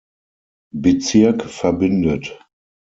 Bezirk verbindet.